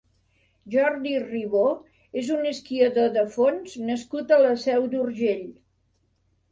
Jordi Ribó és un esquiador de fons nascut a la Seu d'Urgell.